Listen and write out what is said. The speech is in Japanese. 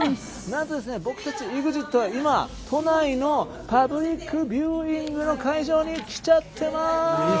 何と僕たち、ＥＸＩＴは今、都内のパブリックビューイングの会場に来ちゃってます。